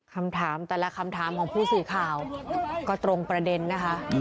คำถามแต่ละคำถามของผู้สื่อข่าวก็ตรงประเด็นนะคะ